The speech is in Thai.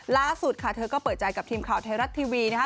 ล่าสุดค่ะเธอก็เปิดใจกับทีมข่าวไทยรัฐทีวีนะคะ